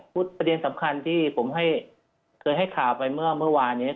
ประเด็นสำคัญที่ผมเคยให้ข่าวไปเมื่อวานนี้